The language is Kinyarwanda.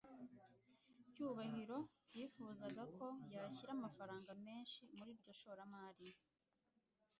Cyubahiro yifuzaga ko yashyira amafaranga menshi muri iryo shoramari.